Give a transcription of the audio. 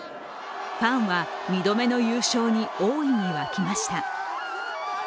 ファンは２度目の優勝に大いに沸きました。